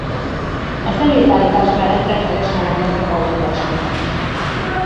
A személyszállítás mellett rendszeresen rendeznek autóversenyeket is.